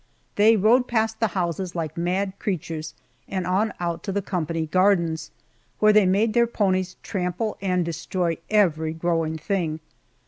They rode past the houses like mad creatures, and on out to the company gardens, where they made their ponies trample and destroy every growing thing.